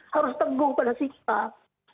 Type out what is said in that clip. harus teguh pada sikap